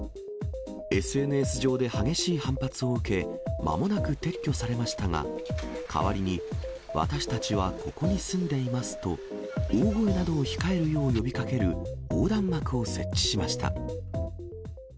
ＳＮＳ上で激しい反発を受け、まもなく撤去されましたが、代わりに、私たちはここに住んでいますと、大声などを控えるよう呼びかける横断幕を設置しました。